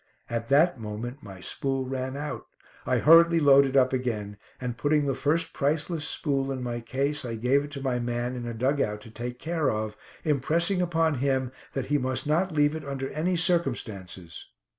At that moment my spool ran out. I hurriedly loaded up again, and putting the first priceless spool in my case, I gave it to my man in a dug out to take care of, impressing upon him that he must not leave it under any circumstances.